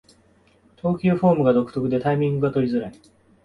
投球フォームが独特でタイミングが取りづらい